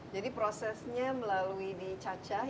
jadi prosesnya melalui dicacah